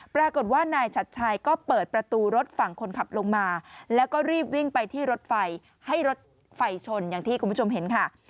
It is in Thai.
ปรากฏว่านายชัดชัยก็เปิดประตูรถฝั่งคนขับลงมาแล้วก็รีบวิ่งไปที่รถไฟให้รถไฟชนอย่างที่คุณผู้ชมเห็นค่ะ